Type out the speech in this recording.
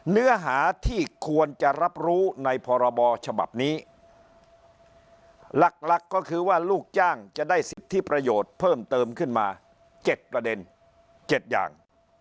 เนื้อหาที่ควรจะรับรู้ในพรบฉบับนี้หลักหลักก็คือว่าลูกจ้างจะได้สิทธิประโยชน์เพิ่มเติมขึ้นมา๗ประเด็น๗อย่าง